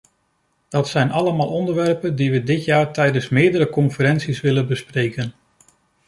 Dat zijn allemaal onderwerpen die we dit jaar tijdens meerdere conferenties willen bespreken.